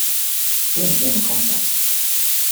Flint won the contest.